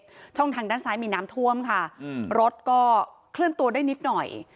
ช่องทางด้านซ้ายมีน้ำท่วมค่ะอืมรถก็เคลื่อนตัวได้นิดหน่อย